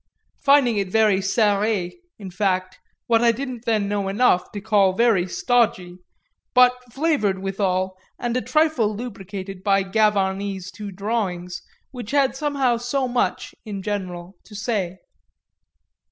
finding it very serré, in fact what I didn't then know enough to call very stodgy, but flavoured withal and a trifle lubricated by Gavarni's two drawings, which had somehow so much, in general, to say.